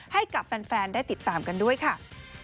ให้กับแฟนได้ติดตามกันด้วยค่ะ